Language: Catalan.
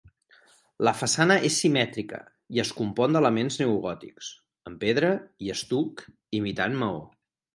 La façana és simètrica i es compon d'elements neogòtics, en pedra i estuc imitant maó.